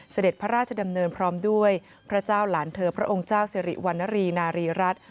เสด็จพระราชดำเนินพร้อมด้วยพระเจ้าหลานเธอพระองค์เจ้าสิริวรรณรีนารีรัฐ